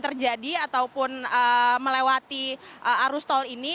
terjadi ataupun melewati arus tol ini